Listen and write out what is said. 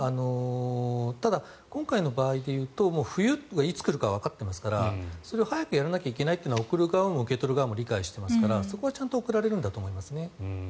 ただ、今回の場合でいうと冬がいつ来るかはわかっていますからそれを早くやらなきゃいけないというのは送る側も受け取る側も理解していますからそこはちゃんと送られるんだと思いますね。